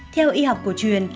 theo y học cổ truyền